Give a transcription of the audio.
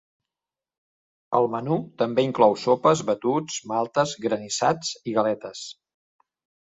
El menú també inclou sopes, batuts, maltes, granissats i galetes.